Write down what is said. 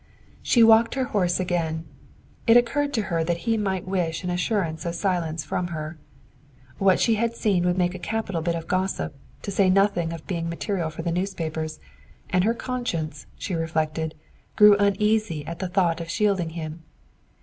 She walked her horse again. It occurred to her that he might wish an assurance of silence from her. What she had seen would make a capital bit of gossip, to say nothing of being material for the newspapers, and her conscience, as she reflected, grew uneasy at the thought of shielding him.